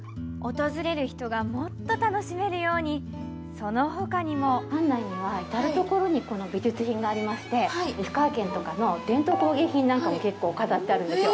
訪れる人がもっと楽しめるようにそのほかにも館内には至るところに美術品がありまして石川県とかの伝統工芸品なんかも結構飾ってあるんですよ。